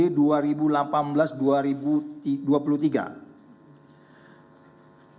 permintaan ini disampaikan beberapa kali